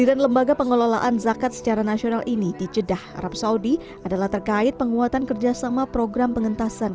dan mereka datang dan berkata kami butuh anda untuk membantu kami mengembangkan ini